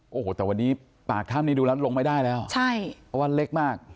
โอ้โหแต่วันนี้ปากถ้ำนี้ดูแล้วลงไม่ได้แล้วใช่เพราะว่าเล็กมาก